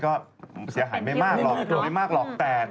อาจจะสติสติไม่ดี